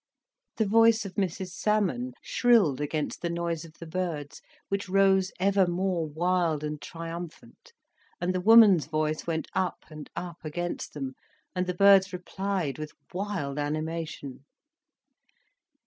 The voice of Mrs Salmon shrilled against the noise of the birds, which rose ever more wild and triumphant, and the woman's voice went up and up against them, and the birds replied with wild animation.